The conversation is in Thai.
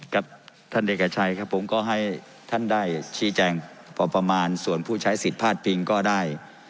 กับท่านเอกชัยครับผมก็ให้ท่านได้ชี้แจงพอประมาณส่วนผู้ใช้สิทธิ์พลาดพิงก็ได้